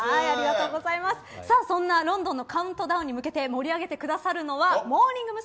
そんなロンドンのカウントダウンに向けて盛り上げてくださるのがモーニング娘。